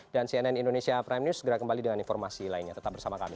dan cnn indonesia prime news segera kembali dengan informasi lainnya tetap bersama kami